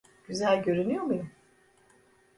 Güzel görünüyor muyum?